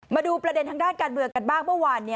มาดูประเด็นทางด้านการเมืองกันบ้างเมื่อวาน